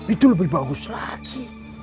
itu lebih bagus lagi